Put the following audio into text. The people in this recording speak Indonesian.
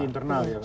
internal ya kan